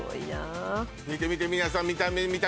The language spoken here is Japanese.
見て見て皆さん見た見た？